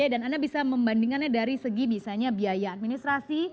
anda bisa membandingkannya dari segi misalnya biaya administrasi